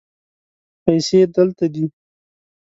پیسې دلته دي